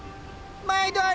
毎度あり。